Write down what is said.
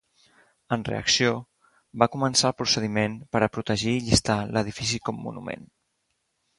En reacció, va començar el procediment per a protegir i llistar l'edifici com monument.